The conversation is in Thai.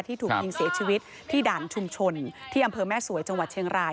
ถูกยิงเสียชีวิตที่ด่านชุมชนที่อำเภอแม่สวยจังหวัดเชียงราย